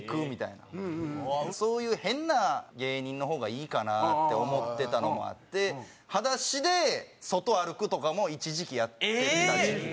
そういう変な芸人の方がいいかなって思ってたのもあって裸足で外歩くとかも一時期やってた時期ですね。